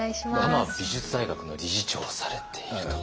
多摩美術大学の理事長をされていると。